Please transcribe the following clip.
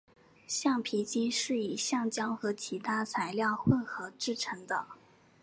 橡皮筋是以橡胶和其他材料混合制成的。